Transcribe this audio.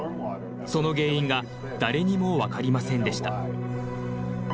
その原因が誰にもわかりませんでした。